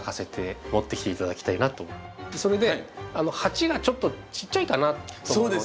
それで鉢がちょっとちっちゃいかなと思うので。